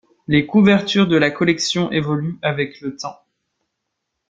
Les couvertures de la collection évoluent avec le temps.